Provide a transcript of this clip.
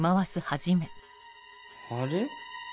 あれ？